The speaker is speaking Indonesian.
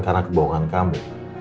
karena kebohongan kamu